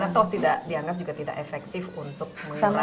karena toh tidak dianggap juga tidak efektif untuk menurangkan